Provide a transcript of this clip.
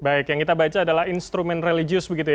baik yang kita baca adalah instrumen religius begitu ya